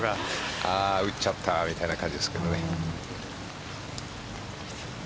打っちゃったみたいな感じですけどね。